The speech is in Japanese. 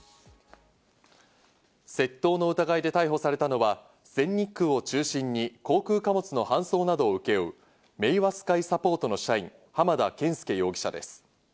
窃盗の疑いで逮捕されたのは、全日空を中心に航空貨物の搬送などを請け負うメイワスカイサポートの社員・浜田研介容疑者です。